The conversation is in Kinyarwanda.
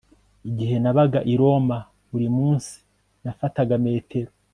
Igihe nabaga i Roma buri munsi nafataga metero